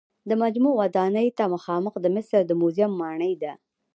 د مجمع ودانۍ ته مخامخ د مصر د موزیم ماڼۍ ده.